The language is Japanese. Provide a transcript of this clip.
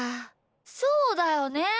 そうだよね。